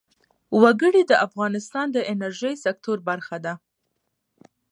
وګړي د افغانستان د انرژۍ سکتور برخه ده.